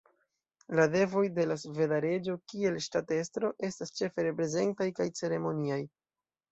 La devoj de la sveda reĝo kiel ŝtatestro estas ĉefe reprezentaj kaj ceremoniaj.